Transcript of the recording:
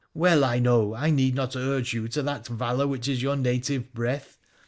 well I know I need not urge you to that valour which is your native breath.